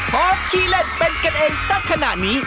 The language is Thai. พร้อมขี้เล่นเป็นกันเองสักขนาดนี้